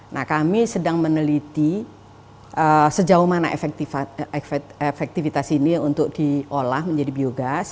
nah kami sedang meneliti sejauh mana efektivitas ini untuk diolah menjadi biogas